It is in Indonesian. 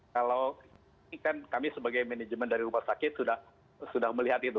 kalau ini kan kami sebagai manajemen dari rumah sakit sudah melihat itu